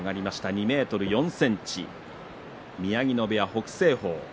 ２ｍ４ｃｍ、宮城野部屋の北青鵬。